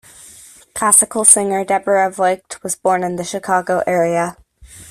Classical singer Deborah Voigt was born in the Chicago area.